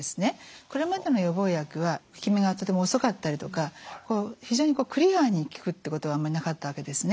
これまでの予防薬は効き目がとても遅かったりとか非常にクリアーに効くってことはあまりなかったわけですね。